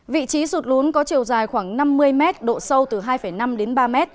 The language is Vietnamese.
vị trí sụt lún có chiều dài khoảng năm mươi m độ sâu từ hai năm đến ba m